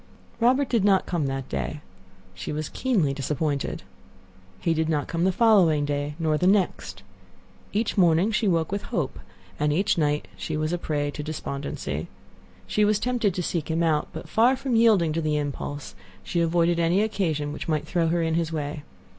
Robert did not come that day. She was keenly disappointed. He did not come the following day, nor the next. Each morning she awoke with hope, and each night she was a prey to despondency. She was tempted to seek him out. But far from yielding to the impulse, she avoided any occasion which might throw her in his way.